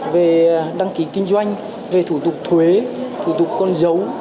về đăng ký kinh doanh về thủ tục thuế thủ tục con dấu